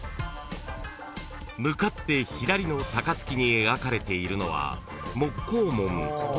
［向かって左の高杯に描かれているのは］